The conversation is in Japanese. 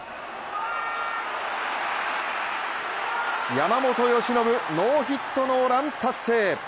山本由伸、ノーヒットノーラン達成。